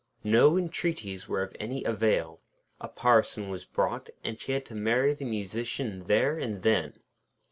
No entreaties were of any avail. A Parson was brought, and she had to marry the Musician there and then.